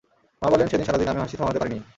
মা বলে, সেদিন সারাদিন আমি হাসি থামাতে পারিনি।